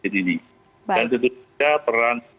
dan tentu saja peran